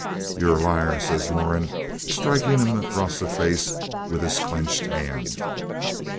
'You're a liar,' says Moran, striking him across the face with his clenched hand.